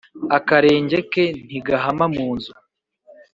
Akarenge ke ntigahama mu nzu